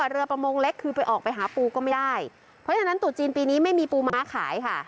เรือประมงเล็กคือไปออกไปหาปูก็ไม่ได้เพราะฉะนั้นตู่จีนปีนี้ไม่มีปูม้าขายค่ะ